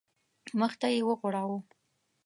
مخ ته یې وغوړاوه.